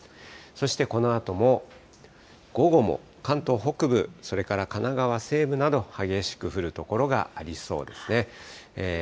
そして、このあとも午後も、関東北部、それから神奈川西部など激しく降る所がありそうですね。